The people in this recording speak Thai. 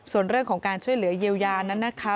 ส่วนเรื่องของการช่วยเหลือเยียวยานั้นนะคะ